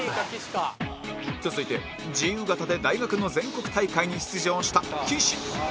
続いて自由形で大学の全国大会に出場した岸